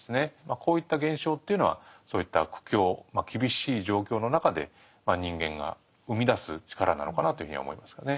こういった現象というのはそういった苦境まあ厳しい状況の中で人間が生み出す力なのかなというふうには思いますかね。